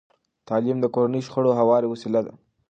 تعلیم د کورني شخړو د هواري وسیله ده.